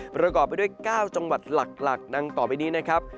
ประกอบไปด้วย๙จังหวัดหลักดังต่อไปนี้นะครับ